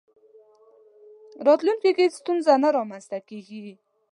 راتلونکي کې ستونزه نه رامنځته کېږي.